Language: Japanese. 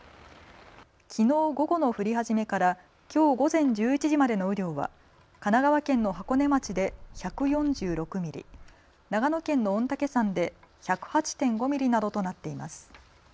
きのう午後の降り始めからきょう午前１１時までの雨量は神奈川県の箱根町で１４６ミリ、長野県の御嶽山で１０８．５ミリなどとなっています。